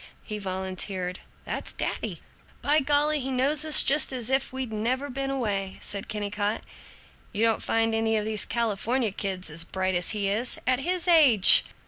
He volunteered, "That's daddy." "By golly, he knows us just as if we'd never been away!" said Kennicott. "You don't find any of these California kids as bright as he is, at his age!"